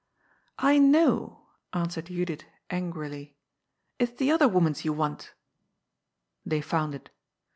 "I know," answered Judith angrily. '^It's the other woman's you want" They found it.